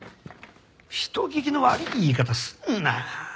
人聞きの悪い言い方すんな。